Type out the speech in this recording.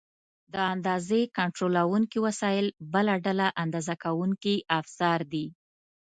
د اندازې کنټرولونکي وسایل بله ډله اندازه کوونکي افزار دي.